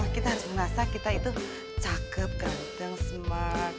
kita harus merasa kita itu cakep ganteng smart